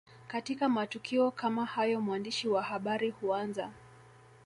Katika matukio kama hayo mwandishi wa habari huanza